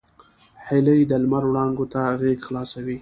هیلۍ د لمر وړانګو ته غېږه خلاصوي